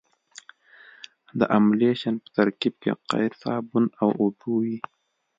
د املشن په ترکیب کې قیر صابون او اوبه وي